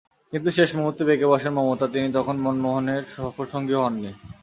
কিন্তু শেষ মুহূর্তে বেঁকে বসেন মমতা, তিনি তখন মনমোহনের সফরসঙ্গীও হননি।